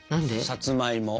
さつまいも。